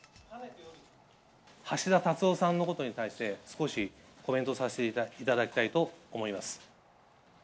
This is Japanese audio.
橋田達夫さんのことに対して、少しコメントさせていただきたいと思います。